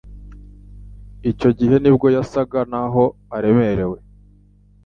icyo gihe ni bwo yasaga naho aremerewe